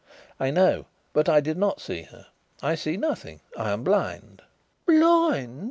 "I know, but I did not see her. I see nothing. I am blind." "Blind!"